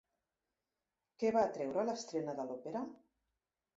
Què va atreure l'estrena de l'òpera?